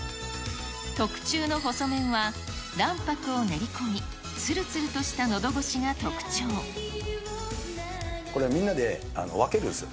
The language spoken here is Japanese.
特注の細麺は、卵白を練り込み、これみんなで分けるんですよ。